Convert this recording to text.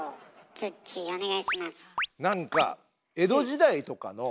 つっちーお願いします。